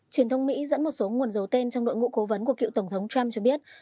truyền thông mỹ dẫn một số nguồn dấu tên trong đội ngũ cố vấn của cựu tổng thống trump cho biết